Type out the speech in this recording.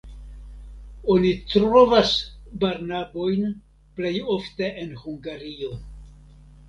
Oni trovas Barnabojn plej ofte en Hungario.